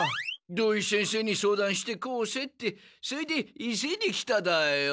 土井先生に相談してこーせってそえでいせーで来ただーよ。